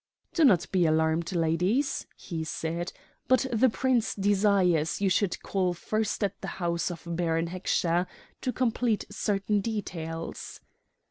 "'Do not be alarmed, ladies,' he said, 'but the Prince desires you should call first at the house of Baron Heckscher to complete certain details.'